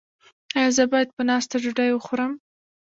ایا زه باید په ناسته ډوډۍ وخورم؟